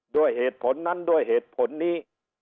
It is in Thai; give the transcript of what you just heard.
ด้วยเหตุผลนั้นด้วยเหตุผลนี้